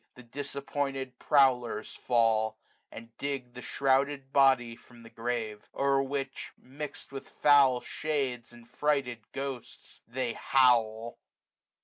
410 The disappointed prowlers fall, and dig The shrouded body from the grave; o'er which, MixM with foul shades, and frighted ghosts, they howl.